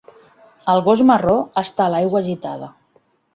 El gos marró està a l'aigua agitada.